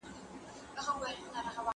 فابریکې څنګه د موادو عرضه تنظیموي؟